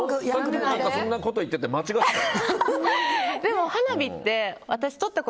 そんなこと言っててさっきも間違った。